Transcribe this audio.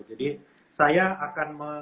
jadi saya akan